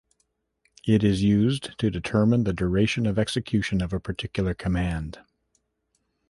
It is used to determine the duration of execution of a particular command.